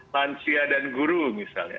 lansia dan guru misalnya